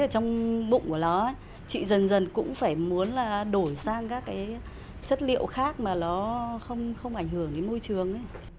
trong bụng của nó chị dần dần cũng phải muốn đổi sang các chất liệu khác mà nó không ảnh hưởng đến môi trường